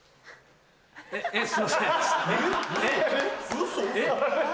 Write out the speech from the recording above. ウソ。